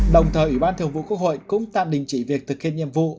đồng thời ủy ban thường vụ quốc hội cũng tạm đình chỉ việc thực hiện nhiệm vụ